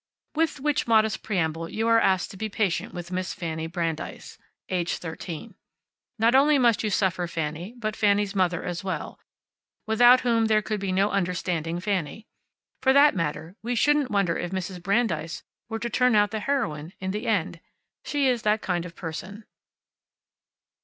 With which modest preamble you are asked to be patient with Miss Fanny Brandeis, aged thirteen. Not only must you suffer Fanny, but Fanny's mother as well, without whom there could be no understanding Fanny. For that matter, we shouldn't wonder if Mrs. Brandeis were to turn out the heroine in the end. She is that kind of person.